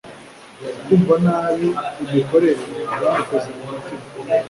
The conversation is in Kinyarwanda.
Kumva nabi imikorere byamukoze ku mutima